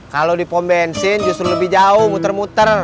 kalau di pom bensin justru lebih jauh muter muter